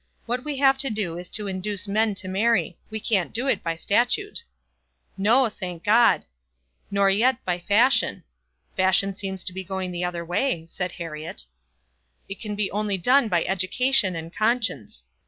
What we have to do is to induce men to marry. We can't do it by statute." "No, thank God." "Nor yet by fashion." "Fashion seems to be going the other way," said Herriot. "It can be only done by education and conscience.